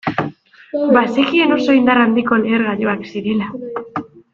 Bazekien oso indar handiko lehergailuak zirela.